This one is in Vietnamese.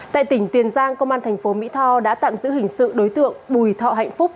tại tỉnh tiền giang công an thành phố mỹ tho đã tạm giữ hình sự đối tượng bùi thọ hạnh phúc